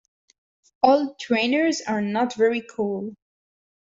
Old trainers are not very cool